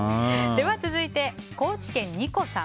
続いて、高知県の方。